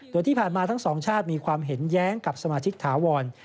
โดยที่ผ่านมาทั้งสองชาติมีความเห็นแย้งกับสมาชิกถาวร